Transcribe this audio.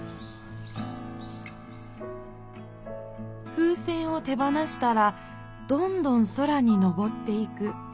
風船を手放したらどんどん空にのぼっていく。